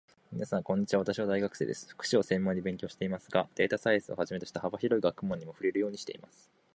みなさん、こんにちは。私は大学生です。福祉を専門に勉強していますが、データサイエンスをはじめとした幅広い学問にも触れるようにしています。